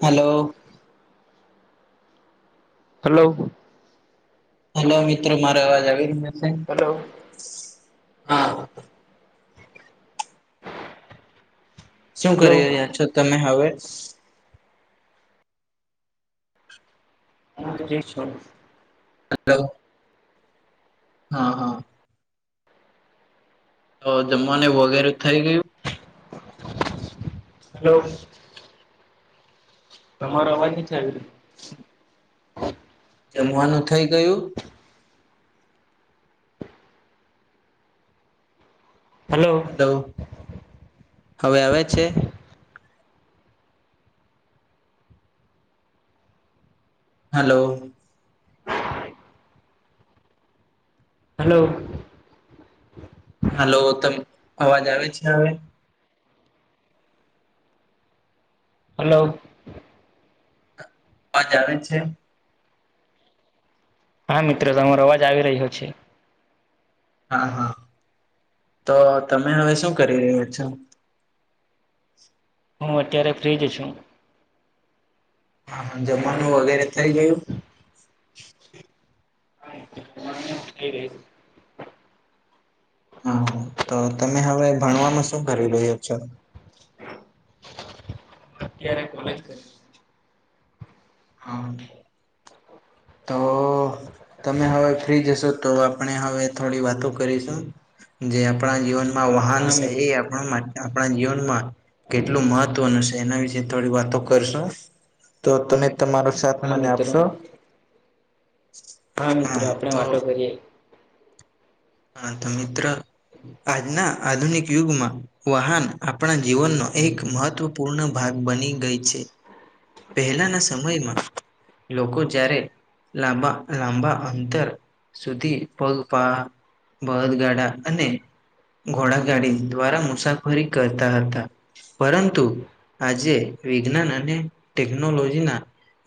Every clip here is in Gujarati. હલો. હલો. હલો મિત્રો મારો અવાજ આવી રહ્યો સે હલો હા. શું હલો કરી રહ્યા છો તમે હવે? હા ફ્રી છું. હલો. હા હા. તો જમવાનું વગેરે થઈ ગયું? હલો. તમારો અવાજ ની ચાલ જમવાનું થઇ ગયું? હલો હવે આવે છે. હલો. હલો. હલો તમ અવાજ આવે છે હવે? હલો. આવાજ આવે છે? હા મિત્રો તમારો અવાજ આવી રહ્યો છે. હા હા તો તમે હવે શું કરી રહ્યા છો? હું અત્યારે ફ્રી જ છું. હા જમવાનું વગેરે થઈ ગયું? [unintelligible] હા તો તમે હવે ભણવામાં શું કરી રહ્યા છો. અત્યારે તો અમે હા તો તમે હવે ફ્રી જશો તો આપણે હવે થોડી વાતો કરીશું જે આપણા જીવનમાં વાહન હા છે મિત્ર એ આપના માટે આપણા જીવનમાં કેટલું મહત્વનું છે એના વિશે થોડી વાતો કરશું. તો તમે તમારો સાથ હા મને મિત્ર આપશો. મિત્ર હા આપણે તો વાતો કરીએ હા તો મિત્ર આજના આધુનિક યુગમાં વાહન આપણા જીવનનો એક મહત્વપૂર્ણ ભાગ બની ગઈ છે. પહેલાના સમયમાં લોકો જ્યારે લાંબા લાંબા અંતર સુધી પગપાળા બદગાડા અને ઘોડાગાડી દ્વારા મુસાફરી કરતા હતા. પરંતુ આજે વિજ્ઞાન અને ટેકનોલોજીના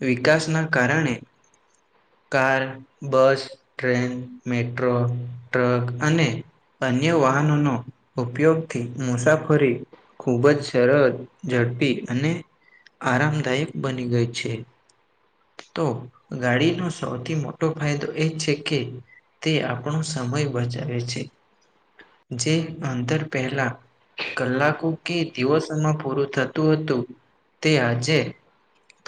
વિકાસના કારણે car bus train metro truck અને અન્ય વાહનોનો ઉપયોગથી મુસાફરી ખુબ જ સરળ ઝડપી અને આરામદાયક બની ગઈ છે તો ગાડીનો સૌથી મોટો ફાયદો એ છે કે તે આપણો સમય બચાવે છે. જે અંતર પહેલા કલાકો કે દિવસમાં પૂરું થતું હતું તે આજે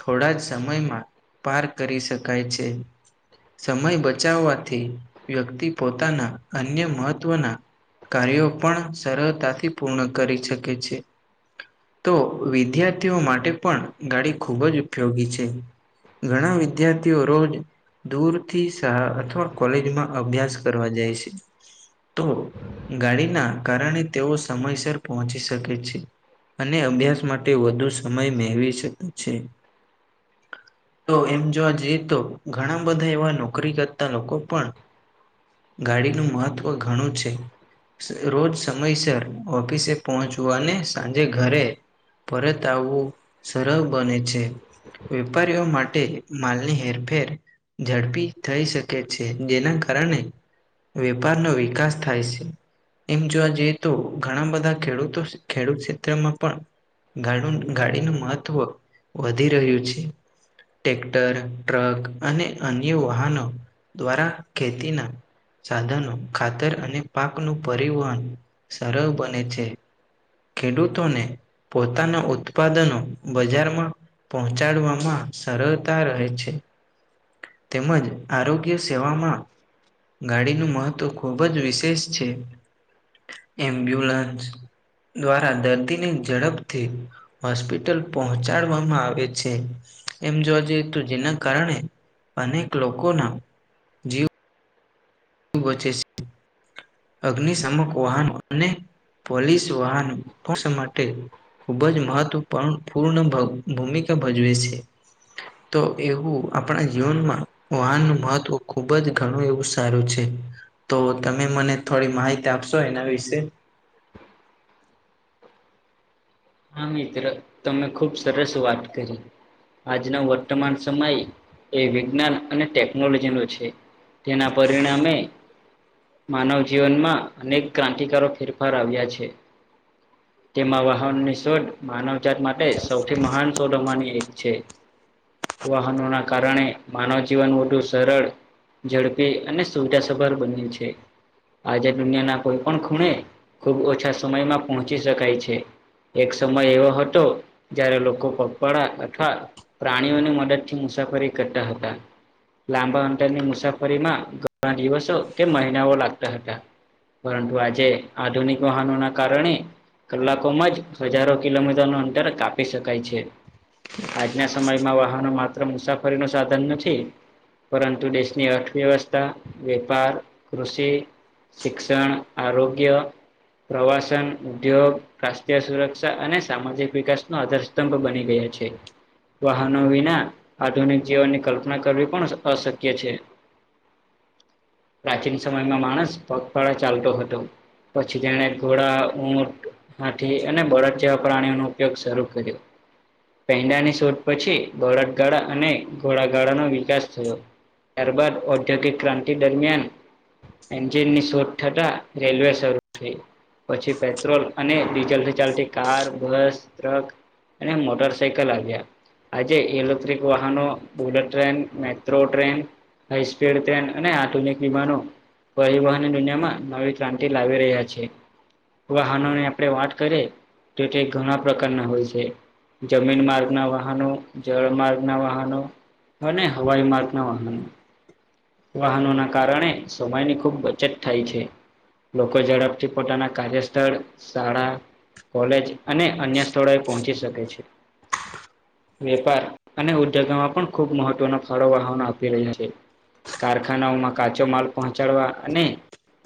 થોડા કા સમયમાં પાર કરી શકાય છે. સમય બચાવવાથી વ્યક્તિ પોતાના અન્ય મહત્વના કાર્યો પણ સરળતાથી પૂર્ણ કરી શકે છે. તો વિદ્યાર્થીઓ માટે પણ ગાડી ખૂબ જ ઉપયોગી છે. ઘણા વિદ્યાર્થીઓ રોજ દૂર થી સા અથવા કોલેજમાં અભ્યાસ કરવા જાય છે. તો ગાડીના કારણે તેઓ સમયસર પહોંચી શકે છે. અને અભ્યાસ માટે વધુ સમય મેળવી શકે છે. તો એમ જો આ જઈએ તો ઘણા બધા એવા નોકરી કરતા લોકો પણ ગાડીનું મહત્વ ઘણું છે. રોજ સમયસર ઓફિસે પહોંચવું અને સાંજે ઘરે પરત આવવું સરળ બને છે. વેપારીઓ માટે માલની હેરફેર ઝડપી થઈ શકે છે જેના કારણે વેપારનો વિકાસ થાય છે. એમ જોવા જઈએ તો ઘણા બધા ખેડૂતો ખેડૂત ક્ષેત્રમાં પણ ગાડું ગાડીનું મહત્વ વધી રહ્યું છે. ટેક્ટર ટ્રક અને અન્ય વાહનો દ્વારા ખેતીના સાધનો ખાતર અને પાક નું પરિવહન સરળ બને છે. ખેડૂતોને પોતાના ઉત્પાદનો બજારમાં પહોંચાડવામાં સરળતા રહે છે. તેમજ આરોગ્ય સેવામાં ગાડીનું મહત્વ ખૂબ જ વિશેષ છે, એમ્બ્યુલન્સ. દ્વારા દર્દીની ઝડપથી હોસ્પિટલ પહોંચાડવામાં આવે છે એમ જોવા જઈ તો જેના કારણે અનેક લોકોના વચે છે. અગ્નિશમક વાહન અને પોલીસ વાહન માટે. ખૂબ જ મહત્વ પૂર્ણ ભૂમિકા ભજવે છે. તો એવું આપણા જીવનમાં વાહનનું મહત્વ ખૂબ જ ઘણું એવું સારું છે, તો તમે મને થોડી માહિતી આપશો એના વિશે? હા મિત્ર તમે ખુબ સરસ વાત કરી. આજનો વર્તમાન સમય એ વિજ્ઞાન અને ટેકનોલોજીનો છે. તેના પરિણામે. માનવ જીવનમાં અનેક ક્રાંતિકારો ફેરફાર આવ્યા છે. તેમાં વાહનની શોધ માનવજાત માટે સૌથી મહાન શોધમાંની એક. વાહનોના કારણે માનવ જીવન વધુ સરળ ઝડપી અને સુવિધા સભર બન્યું છે. આજે દુનિયાના કોઈ પણ ખૂણે ખૂબ ઓછા સમયમાં પહોંચી શકાય છે. એક સમય એવો હતો જયારે લોકો પગપાળા અથવા. પ્રાણીઓની મદદથી મુસાફરી કરતા હતા. લાંબા અંતરની મુસાફરીમાં ઘણા દિવસો કે મહિનાઓ લાગતા હતા. પરંતુ આજે આધુનિક વાહનોના કારણે, કલાકોમાં જ. હજારો કિલોમીટરનુ અંતર કાપી શકાય છે. આજના સમયમાં વાહનો માત્ર મુસાફરીનુ સાધન નથી. પરંતુ દેશની અર્થવ્યવસ્થા, વેપાર, કૃષિ. શિક્ષણ, આરોગ્ય, પ્રવાસન, ઉદ્યોગ, રાષ્ટ્રીય સુર અને સામાજિક વિકાસનુ આધારસ્તંભ બની ગયા છે. વાહનો વિના આધુનિક જીવનની કલ્પના કરવી પણ અશક્ય છે. [inaudible] પ્રાચીન સમયમાં માણસ પગપાળા ચાલતો હતો. પછી તેને ઘોડા, ઊંટ, હાથી અને બળદ વચ્ચે પ્રાણીઓનો ઉપયોગ શરૂ કર્યો. પેંડાની શોધ પછી બળતગાળા અને ધોળા ગાળાનો વિકાસ થયો. ત્યારબાદ ઔદ્યોગિક ક્રાંતિ દરમિયાન એન્જિનની શોધ થતા રેલવે શરૂ થઈ, પછી પેટ્રોલ અને ડીજલથી ચાલતી કાર, બસ, ટ્રક અને મોટર સાઇકલ આવ્યા. આજે ઇલેક્ટ્રિક વાહનો, bullet train, metro train. High speed train અને આધુનિક વિમાનો. પરિવહન દુનિયામાં નવી ક્રાંતિ લાવી રહ્યા છે. વાહનોની આપણે વાત કરીએ. તે તે ઘણા પ્રકારના હોય છે. જમીન માર્ગના વાહનો, જળ માર્ગના વાહનો. અને હવાઈ માર્ગ ના વાહન વાહનોના કારણે સમયની ખૂબ બચત થાય છે. લોકો ઝડપથી પોતાના કાર્યસ્થળ, શાળા, કોલેજ અને અન્ય સ્થળોએ પહોંચી શકે છે. વેપાર અને ઉદ્યોગોમાં પણ ખુબ મહત્વના ફાળો વાહનો આપી રહ્યા છે. કારખાનાઓમાં કાચો માલ પહોંચાડવા અને.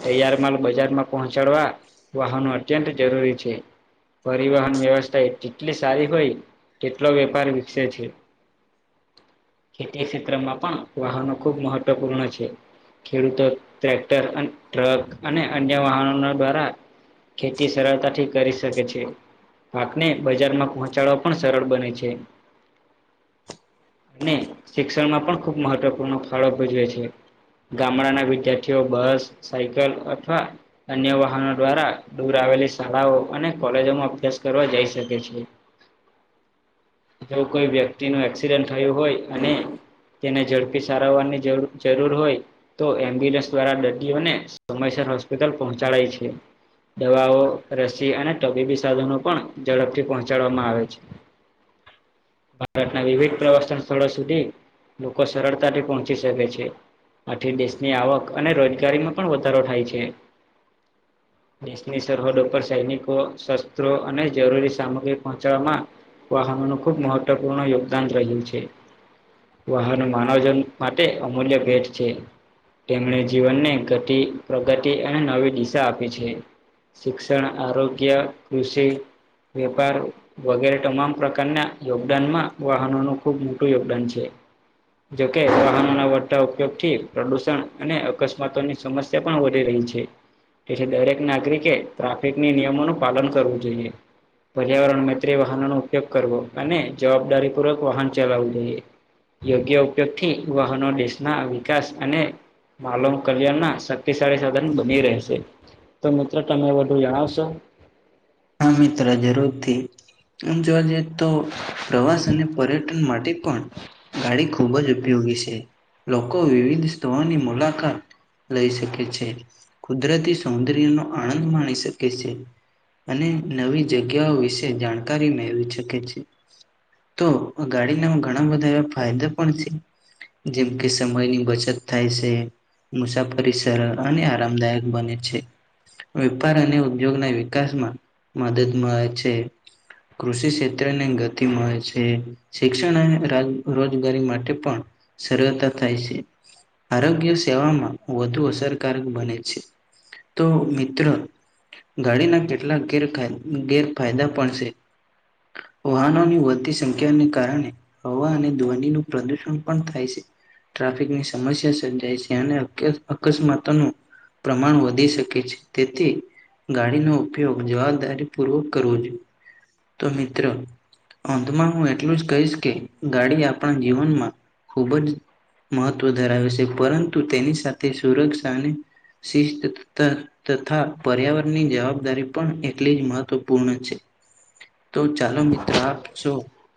તૈયાર માલ બજારમાં પહોંચાડવા વાહનો અત્યંત જરૂરી છે. પરિવહન વ્યવસ્થા એ એટલી સારી હોય. કેટલો વેપાર વિકસે છે. ખેતી ક્ષેત્રમાં પણ વાહનો ખૂબ મહત્વપૂર્ણ છે. ખેડૂતો ટ્રેક્ટર અન ટ્રક અને અન્ય વાહનોના દ્વારા ખેતી સરળતાથી કરી શકે છે. પાકને બજારમાં પહોંચાડવા પણ સરળ બને છે. અને શિક્ષણમાં પણ ખુબ મહત્વપૂર્ણ ફાળો ભજવે છે. ગામડાના વિદ્યાર્થીઓ બસ સાયકલ અથવા અન્ય વાહનો દ્વારા દૂર આવેલી શાળાઓ અને કોલેજોમાં અભ્યાસ કરવા જઈ શકે છે. [inaudible] [unintelligible] જો કોઈ વ્યક્તિ. વ્યક્તિનો એક્સિડન્ટ થયું હોય અને તેને ઝડપી સારવારની જરૂ જરૂર હોય. તો એમ્બ્યુલન્સ દ્વારા દર્દીઓને સમયસર હોસ્પિટલ પહોંચાડાય છે. દવાઓ રસી અને તબીબી સાધનો પણ ઝડપથી પહોંચાડવામાં આવે છે. [inaudible] [unintelligible] ભારતના વિવિધ પ્રવાસન સ્થળો સુધી લોકો સરળતાથી પહોંચ. પહોંચી સકે છે આથી દેશની આવક અને રોજગારીમાં પણ વધારો થાય છે. [inaudible] દેશની સરહદો પર સૈનિકો શસ્ત્રો અને જરૂરી સામગ્રી પહોંચાડવામાં વાહનો નુ ખુબ મહત્વપૂર્ણ યોગદાન રહ્યું છે વાહન માનવજન. માટે અમૂલ્ય ભેટ છે. તેમણે જીવનને ગતિ પ્રગતિ અને નવી દિશા આપી છે. શિક્ષણ આરોગ્ય કૃષિ વેપાર. વગેરે તમામ પ્રકારના યોગદાન માં વાહનો નુ ખુબ મોટું યોગદાન છે. કે વાહનોના વધતા ઉપયોગ થી પ્રદુષણ અને અકસ્માતોની સમસ્યા પણ વધી રહી છે. જેથી દરેક નાગરિકે ટ્રાફિકની નિયમોનું પાલન કરવું જોઈએ. પર્યાવરણ મત્રે વાહનોનો ઉપયોગ કરવો અને જવાબદારી પૂર્વક વાહન ચલાવવું જોઈએ. યોગ્ય ઉપયોગ થી વાહનો દેશના વિકાસ અને માલવ કલ્યાણ ના શક્તિશાળી સાધન બની રહેશે. તો મિત્રો તમે વધુ જણાવશો? હા મિત્ર જરૂરથી આમ જોવા જઈ તો પ્રવાસ અને પર્યટન માટે પણ ગાડી ખૂબ જ ઉપયોગી છે લોકો વિવિધ સ્થળની મુલાકાત લઈ શકે છે કુદરતી સૌંદર્ય નો આનંદ માણી શકે છે. અને નવી જગ્યાઓ વિશે જાણકારી મેળવી શકે છે. તો ગાડીના ઘણા બધા એવા ફાયદા પણ છે. જેમ કે સમયની બચત થાય છે. મુસાફરી સરળ અને આરામદાયક બને છે વેપાર અને ઉદ્યોગના વિકાસમાં મદદ મળે છે કૃષિ ક્ષેત્ર ને ગતિ મળે છે. શિક્ષણ અને રોજ રોજગારી માટે પણ સરળતા થાય છે. આરોગ્ય સેવામાં વધુ અસરકારક બને છે. તો મિત્રો ગાડી નાખ. એટલા ગેરાય ગેરફાયદા પણ છે. વાહનોની વધતી સંખ્યાને કારણે હવા અને ધ્વનિ નું પ્રદુષણ પણ થાય છે. ટ્રાફિકની સમસ્યા સર્જાય છે અને અક અકસ્માતો નો. પ્રમાણ વધી શકે છે તેથી ગાડીનો ઉપયોગ જવાબદારી પૂર્વક કરવો જોઈએ તો મિત્ર. અંધમાં હું એટલું જ કહીશ કે ગાડી આપણા જીવનમાં ખૂબ જ. મહત્ત્વ ધરાવે છે પરંતુ તેની સાથે સુરક્ષા અને શિસ્ત તા તથા પર્યાવરણની જવાબદારી. પણ એટલી જ મહત્વપૂર્ણ છે તો ચાલો મિત્રો આપજો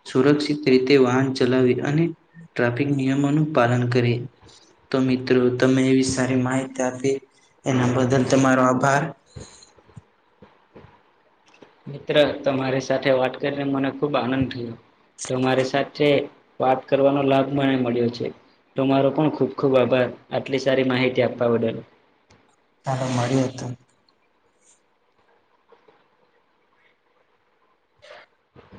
સુરક્ષિત રીતે વાહન ચલાવી અને ટ્રાફિક નિયમોનું પાલન કરી. તો મિત્રો તમે એવી સારી માહિતી આપી એના બદલ તમારો આભાર. મિત્ર તમારી સાથે વાત કરીને મને ખૂબ આનંદ થયો, તમારી સાથે વાત કરવાનો લાભ મને મળ્યો છે. તો મારો પણ ખૂબ ખૂબ આભાર આટલી સારી માહિતી આપવા બદલ. ચાલ મળીયોતું